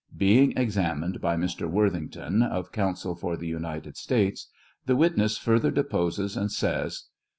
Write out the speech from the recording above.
Being examined by Mr. Worthington, of counsel for the United States, the witness further deposes and says: Q.